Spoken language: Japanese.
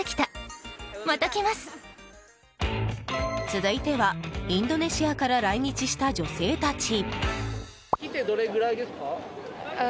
続いては、インドネシアから来日した女性たち。